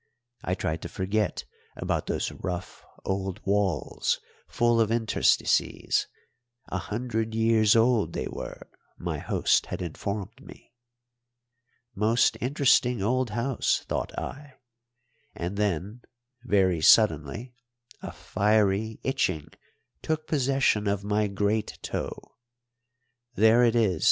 I tried to forget about those rough old walls full of interstices a hundred years old they were, my host had informed me. Most interesting old house, thought I; and then very suddenly a fiery itching took possession of my great toe. There it is!